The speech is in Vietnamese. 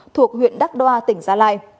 thuộc huyện đắc đoa tỉnh gia lai